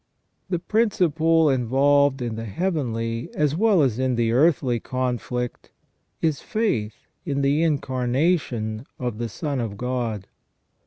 The principle involved in the heavenly as well as in the earthly conflict is faith in the Incarnation of the Son of God.